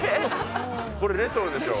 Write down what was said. これ、レトロでしょう。